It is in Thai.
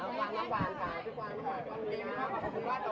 ไม่ได้หยัดแล้วนะ